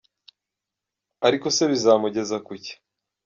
Ariko se bizamugeza ku ki ?